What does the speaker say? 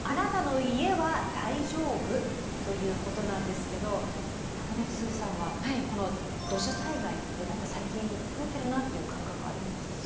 ということなんですけど山之内すずさんはこの土砂災害って何か最近増えてるなっていう感覚ありますか？